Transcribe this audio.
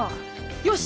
よし！